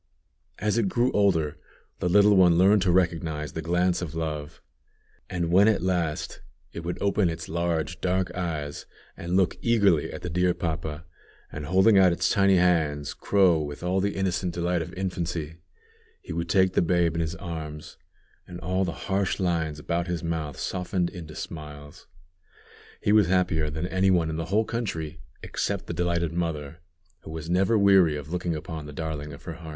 As it grew older, the little one learned to recognize the glance of love; and when at last it would open its large dark eyes and look eagerly at the dear papa, and, holding out its tiny hands, crow with all the innocent delight of infancy, he would take the babe in his arms, and all the harsh lines about his mouth softened into smiles. He was happier than any one in the whole country, except the delighted mother, who was never weary of looking upon the darling of her heart.